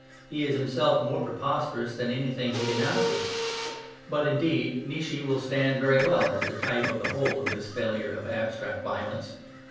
He is himself more preposterous than anything he denounces. But, indeed, Nietzsche will stand very well as the type of the whole of this failure of abstract violence.